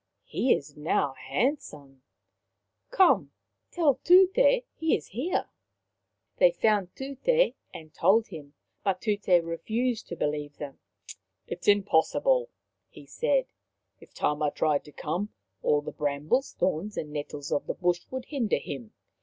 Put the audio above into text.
" He is now handsome. Come, tell Tute he is here." They found Tut6 and told him, but Tut6 refused to believe them. " It is impossible," he said. " If Tama tried to come, all the brambles, thorns and nettles of the bush would hinder him.